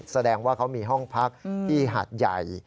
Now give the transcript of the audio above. แสดงว่าเขามีห้องพักที่หาดใหญ่